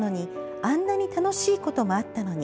「あんなにたのしいこともあったのに」